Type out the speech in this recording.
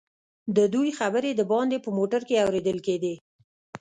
ددوئ خبرې دباندې په موټر کې اورېدل کېدې.